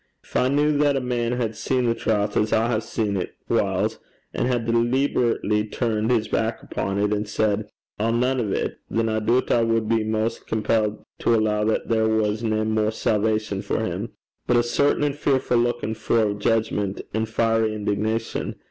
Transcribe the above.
Gin I kent that a man had seen the trowth as I hae seen 't whiles, and had deleeberately turned his back upo' 't and said, "I'll nane o' 't," than I doobt I wad be maist compelled to alloo that there was nae mair salvation for him, but a certain and fearfu' luikin' for o' judgment and fiery indignation.